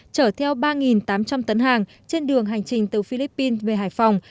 chở theo ba tám trăm linh tấn hàng trên đường hành trình từ philippines về hải phòng